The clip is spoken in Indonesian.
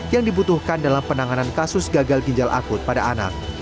yang dibutuhkan dalam penanganan kasus gagal ginjal akut pada anak